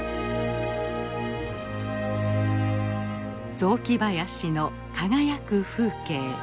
雑木林の輝く風景。